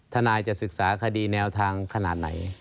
ทนายจะศึกษาคดีแนวทางขนาดไหน